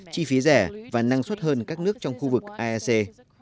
chi phí rẻ và năng suất hơn các nước trong khu vực aec